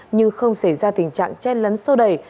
nhưng không xảy ra tình trạng chen lấn sâu đầy